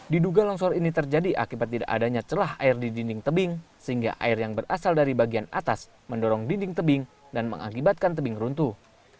diduga longsor ini terjadi akibat tidak adanya celah air di dinding tebing sehingga air yang berasal dari bagian atas mendorong dinding tebing dan mengakibatkan tebing runtuh